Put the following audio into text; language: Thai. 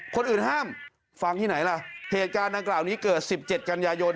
คนอื่นห้ามฟังที่ไหนล่ะเหตุการณ์ดังกล่าวนี้เกิด๑๗กันยายน